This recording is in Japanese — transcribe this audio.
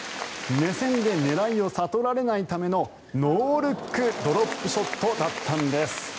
目線で狙いを悟られないためのノールックドロップショットだったんです。